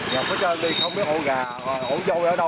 ngập hết trơn đi không biết ổ gà ổ dôi ở đâu hết trơn